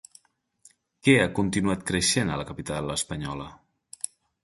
Què ha continuat creixent a la capital espanyola?